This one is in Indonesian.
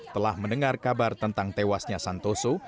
telah mendengar kabar tentang tewasnya santoso